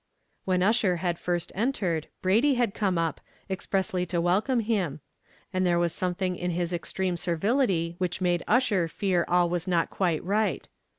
When Ussher had first entered, Brady had come up, expressly to welcome him; and there was something in his extreme servility which made Ussher fear all was not quite right.